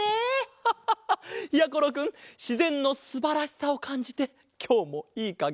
ハハハやころくんしぜんのすばらしさをかんじてきょうもいいかげしてますよ。